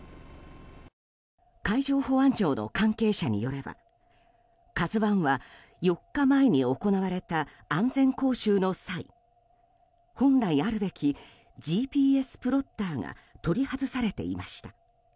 海上保安庁の関係者によれば「ＫＡＺＵ１」は４日前に行われた安全講習の際、本来あるべきＧＰＳプロッターが取り外されていました。